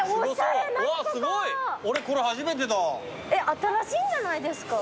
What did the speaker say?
新しいんじゃないですか。